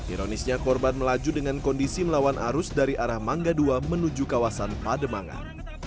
ironisnya korban melaju dengan kondisi melawan arus dari arah mangga dua menuju kawasan pademangan